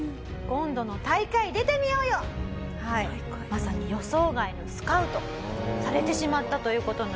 まさに予想外のスカウトされてしまったという事なんです。